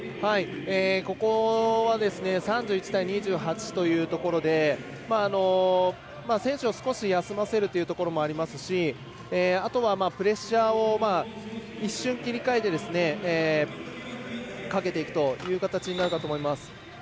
ここは３１対２８というところで選手を少し休ませるというところもありますしあとは、プレッシャーを一瞬、切り替えてかけていくという形になるかと思います。